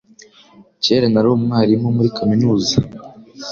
Cyera nari umwarimu muri kaminuza,